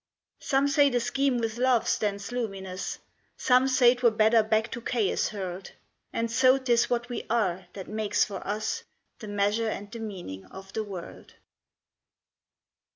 Some say the Scheme with love stands luminous, Some say 't were better back to chaos hurled; And so 't is what we are that makes for us The measure and the meaning of the world.